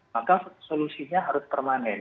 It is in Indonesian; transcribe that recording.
maka solusinya harus permanen